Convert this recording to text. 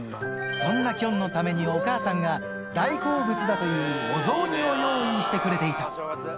そんなきょんのためにお母さんが、大好物だというお雑煮を用意してくれていた。